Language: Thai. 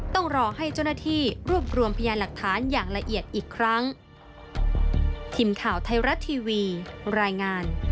ต้องรอให้เจ้าหน้าที่รวบรวมพยานหลักฐานอย่างละเอียดอีกครั้ง